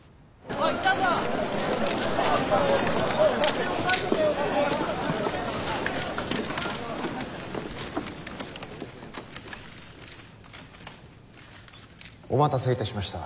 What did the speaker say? お待たせいたしました。